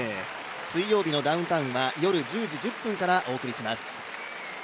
「水曜日のダウンタウン」は夜１０時１０分からお送りします。